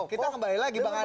kita kembali lagi bang andre